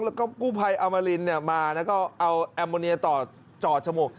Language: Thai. แล้วก็กู้ภัยอมรินมาแล้วก็เอาแอมโมเนียต่อจอดจมูก